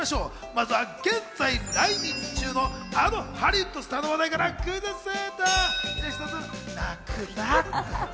まずは現在、来日中のあのハリウッドスターの話題からクイズッス！